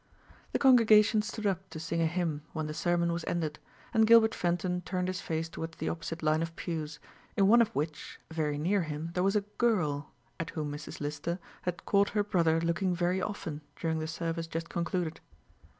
The congregation stood up to sing a hymn when the sermon was ended, and Gilbert Fenton turned his face towards the opposite line of pews, in one of which, very near him, there was a girl, at whom Mrs. Lister had caught her brother looking very often, during the service just concluded.